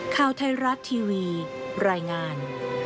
ข่าวไทยรัฐทีวีรายงาน